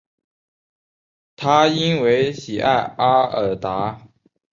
他因为喜爱阿尔达。